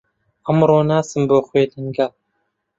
ئەمڕۆ ناچم بۆ خوێندنگە.